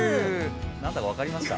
何だか分かりますか？